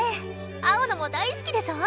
青野も大好きでしょ？